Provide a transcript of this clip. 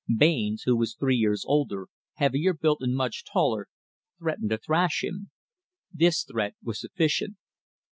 Baynes, who was three years older, heavier built and much taller, threatened to thrash him. This threat was sufficient.